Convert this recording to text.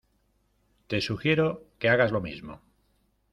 te sugiero que hagas lo mismo.